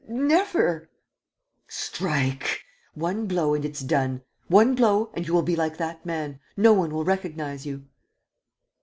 "Never!" "Strike! One blow and it's done! One blow and you will be like that man: no one will recognize you."